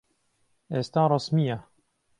ئێستا ڕەسمییە.